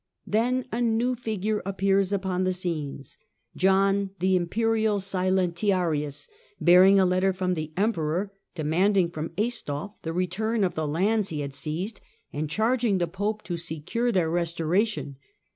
Then a new figure appears upon the scenes : John, the Imperial silentiarius, bearing a letter from the Emperor demanding from Aistulf the return of the lands he had seized, and charging the Pope to secure their re storation.